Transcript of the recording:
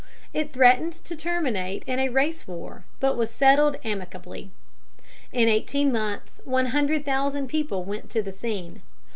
It threatened to terminate in a race war, but was settled amicably. In eighteen months one hundred thousand people went to the scene.